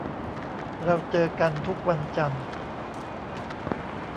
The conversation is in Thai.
เราเจอกันทุกวันจันทร์